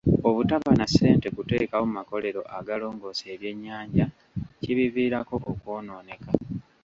Obutaba na ssente kuteekawo makolero agalongoosa ebyennyanja kibiviirako okwonooneka.